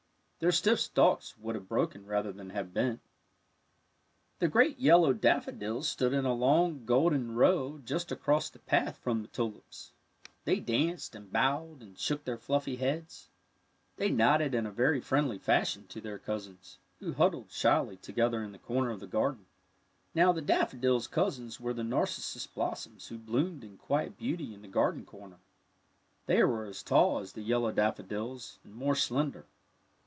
Their stiff stalks would have broken rather than have bent. The great yellow daffodils stood in a long golden row just across the path from the tulips. They danced and bowed and shook their fluffy heads. They nodded in a very friendly fashion to their cousins, who huddled shyly together in the comer of the garden. 18 THE NARCISSUS AND TULIP Now the daffodils' cousins were the nar cissus blossoms who bloomed in quiet beauty in the garden corner. They w^ere as tall as the yellow daffodils, and more slender.